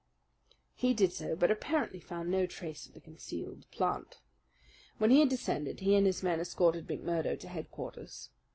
He did so; but apparently found no trace of the concealed plant. When he had descended he and his men escorted McMurdo to headquarters.